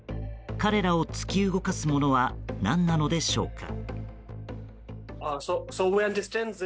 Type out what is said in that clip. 彼らを突き動かすものは何なのでしょうか。